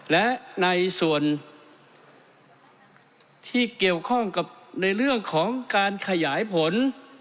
และในส่วนที่เกี่ยวข้องกับในเรื่องของการขยายผล